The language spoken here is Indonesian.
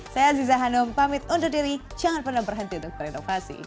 saya aziza hanum pamit undur diri jangan pernah berhenti untuk berinovasi